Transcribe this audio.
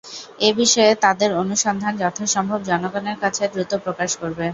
এ বিষয়ে তাদের অনুসন্ধান যথাসম্ভব জনগণের কাছে দ্রুত প্রকাশ করবে।